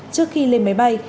trước khi lên máy bay